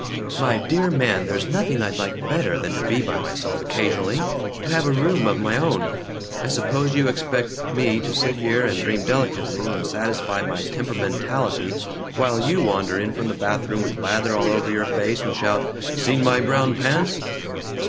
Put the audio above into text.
"My dear man, there's nothing I'd like better than to be by myself occasionally! To have a room of my own! I suppose you expect me to sit here and dream delicately and satisfy my 'temperamentality' while you wander in from the bathroom with lather all over your face, and shout, 'Seen my brown pants?'"